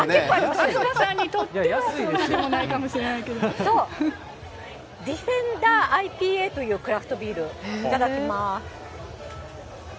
東さんにとってはそんなでもないけど。ディフェンダーＩＴＡという、クラフトビール、いただきます。